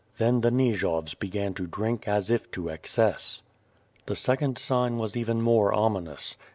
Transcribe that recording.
Then, the Nijovs began to drink as if to excess. The second sign was even more orninous.